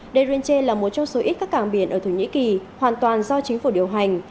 derinche là một trong số ít các cảng biển ở thổ nhĩ kỳ hoàn toàn do chính phủ điều hành